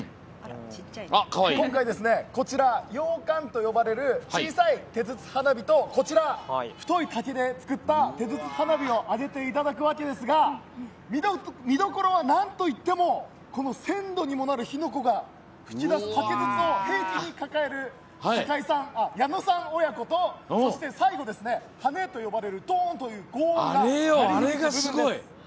今回、こちらヨウカンと呼ばれる小さい手筒花火と太い竹で作った手筒花火を揚げていただくわけですが見どころは、なんといってもこの１０００度にもなる火の粉が噴き出す竹筒を平気に抱える酒井さん、矢野さん親子と最後、ハネと呼ばれるドンというごう音が鳴り響く部分です。